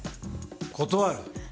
断る。